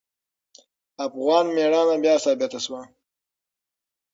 افغان میړانه بیا ثابته شوه.